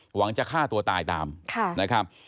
หวังจะฆ่าตัวตายตามนะครับ